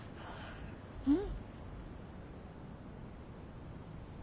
うん。